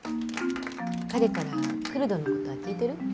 彼からクルドのことは聞いてる？